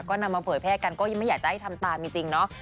ก็นำมาเผยแพร่กันก็ยังไม่อยากจะให้ทำตามจริงเนาะ